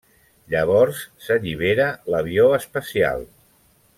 Llavors s'allibera l'avió espacial.